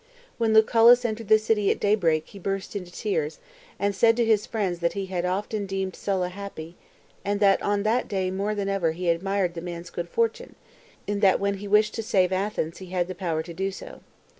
When Lucullus entered the city at daybreak, he burst into tears, and said to his friends that he had often already deemed Sulla happy, and' on that day more than ever he admired the man's good fortune, in that when he wished. to save Athens, he had the power to do so.